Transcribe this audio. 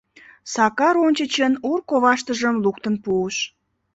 Сакар ончычын ур коваштыжым луктын пуыш.